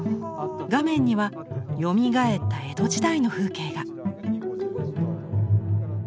画面にはよみがえった江戸時代の風景が。